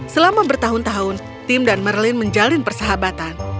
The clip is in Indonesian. selama bertahun tahun tim dan merlin menjalin persahabatan